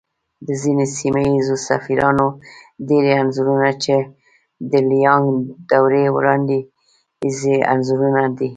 د ځينې سيمه ييزو سفيرانو ډېری انځورنه چې د ليانگ دورې وړانديزي انځورونه دي